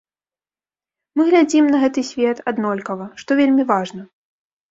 Мы глядзім на гэты свет аднолькава, што вельмі важна.